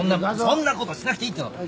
そんなことしなくていいっての。